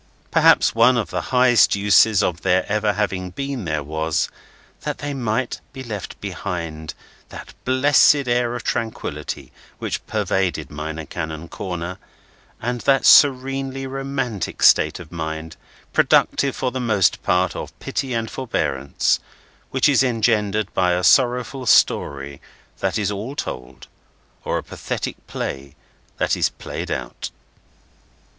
Perhaps one of the highest uses of their ever having been there, was, that there might be left behind, that blessed air of tranquillity which pervaded Minor Canon Corner, and that serenely romantic state of the mind—productive for the most part of pity and forbearance—which is engendered by a sorrowful story that is all told, or a pathetic play that is played out.